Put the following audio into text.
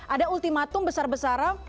ada ultimatum besar besara